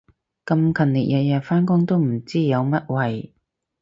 咁勤力日日返工都唔知有乜謂